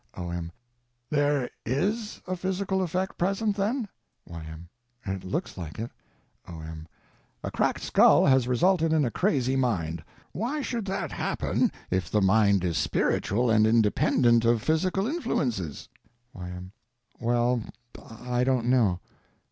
O.M. There _is _a physical effect present, then? Y.M. It looks like it. O.M. A cracked skull has resulted in a crazy mind. Why should it happen if the mind is spiritual, and _independent _of physical influences? Y.M. Well—I don't know.